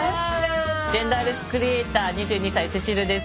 ジェンダーレスクリエイター２２歳聖秋流です。